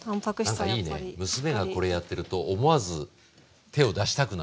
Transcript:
なんかいいね娘がこれやってると思わず手を出したくなる。